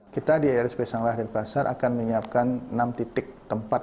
kita di rsp sang lah den pasar akan menyiapkan enam titik tempat